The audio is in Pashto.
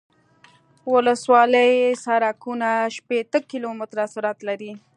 ولسوالي سرکونه شپیته کیلومتره سرعت لري